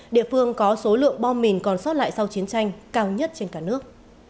địa phương có số lượng bom mìn còn sót lại sau chiến tranh cao nhất trên cả nước